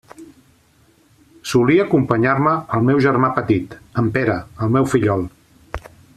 Solia acompanyar-me el meu germà petit, en Pere, el meu fillol.